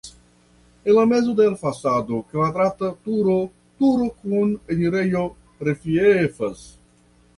En mezo de la fasado kvadrata turo turo kun enirejo reliefas.